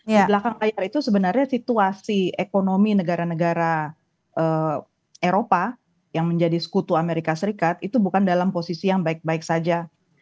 di belakang layar itu sebenarnya situasi ekonomi negara negara eropa yang menjadi sekutu amerika serikat itu bukan dalam posisi yang baik baik saja